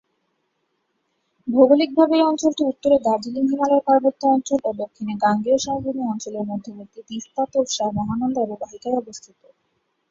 ভৌগোলিকভাবে এই অঞ্চলটি উত্তরে দার্জিলিং হিমালয় পার্বত্য অঞ্চল ও দক্ষিণে গাঙ্গেয় সমভূমি অঞ্চলের মধ্যবর্তী তিস্তা-তোর্ষা-মহানন্দা অববাহিকায় অবস্থিত।